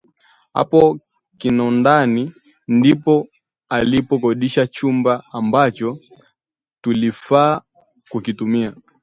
Hapo Kinondani ndipo alipokodisha chumba ambacho tulifaa kukitumia